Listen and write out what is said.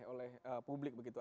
oleh publik begitu